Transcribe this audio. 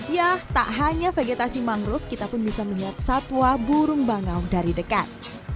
ya tak hanya vegetasi mangrove kita pun bisa melihat satwa burung bangau dari dekat